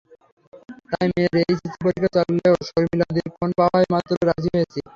তাই মেয়ের এইচএসসি পরীক্ষা চললেও শর্মিলাদির ফোন পাওয়া মাত্রই রাজি হয়েছি।